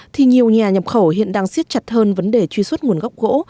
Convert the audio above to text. thì nhiều nhà nhập khẩu hiện đang siết chặt hơn vấn đề truy xuất nguồn gốc gỗ